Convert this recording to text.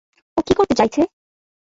ও কী করতে চাইছে?